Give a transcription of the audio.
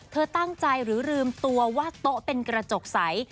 เธอตั้งใจหรือลืมตัวว่าโต๊ะเป็นกระจกใส